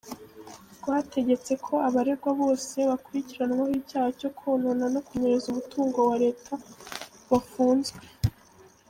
Rwategetse ko abaregwa bose bakurikiranwaho icyaha cyo konona no kunyereza umutungo wa leta bafunzwe.